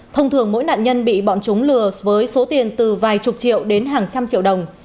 thông thường mỗi nạn nhân bị bọn chúng lừa với số tiền từ vài chục triệu đến hàng trăm triệu đồng